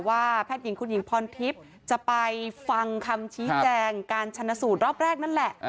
แพทย์หญิงคุณหญิงพรทิพย์จะไปฟังคำชี้แจงการชนะสูตรรอบแรกนั่นแหละ